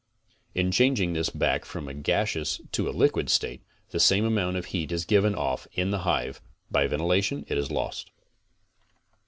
In changing this back from a gaseous to a liquid state, the same amount of heat is given off in the hive. By ventilation it is lost.